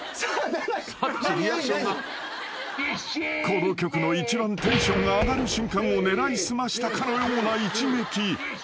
［この曲の一番テンションが上がる瞬間を狙い澄ましたかのような一撃］